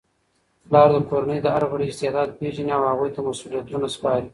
پلار د کورنی د هر غړي استعداد پیژني او هغوی ته مسؤلیتونه سپاري.